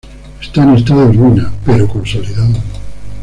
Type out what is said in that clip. Está en estado de ruina, pero consolidado.